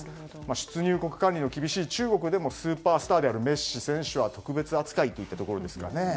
出入国管理の厳しい中国でもスーパースターのメッシ選手は特別扱いといったところですかね。